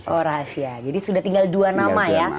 oh rahasia jadi sudah tinggal dua nama ya